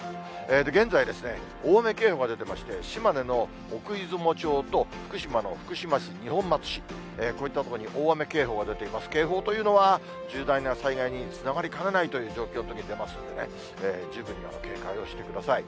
現在ですね、大雨警報が出てまして、島根の奥出雲町と福島の福島市、二本松市、こういった所に大雨警報が出ています、警報というのは重大な災害につながりかねないという状況のときに出ますのでね、十分に警戒をしてください。